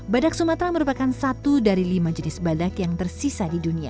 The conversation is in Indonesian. badak sumatera merupakan satu dari lima jenis badak yang tersisa di dunia